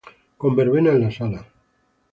Con verbena en la sala.